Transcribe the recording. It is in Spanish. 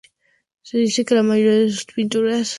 Se dice que la mayoría de sus pinturas trataban sobre mujeres.